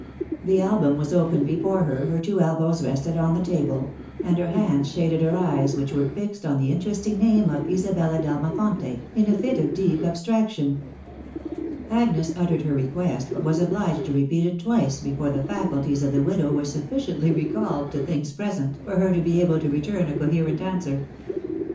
The album was open before her, her two elbows rested on the table, and her hands shaded her eyes, which were fixed on the interesting name of Isabella d'Almafonte, in a fit of deep abstraction. Agnes uttered her request, but was obliged to repeat it twice before the faculties of the widow were sufficiently re called to things present for her to be able to return a coherent answer.